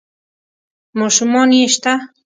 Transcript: ـ ماشومان يې شته؟